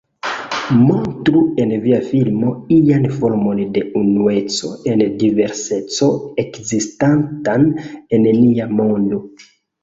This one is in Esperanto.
Montru en via filmo ian formon de Unueco en Diverseco ekzistantan en nia mondo.